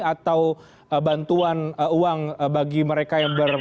atau bantuan uang bagi mereka yang ber